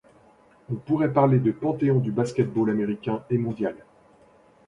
On pourrait parler de Panthéon du basket-ball américain et mondial.